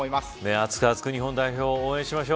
熱く熱く日本代表を応援しましょう。